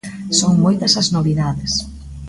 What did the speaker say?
Son moitas as novidades.